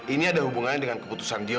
ini ada hubungannya dengan keputusan dia